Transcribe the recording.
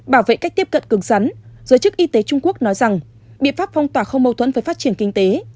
bảo vệ cách tiếp cận cứng sắn giới chức y tế trung quốc nói rằng biện pháp phong tỏa không mâu thuẫn với phát triển kinh tế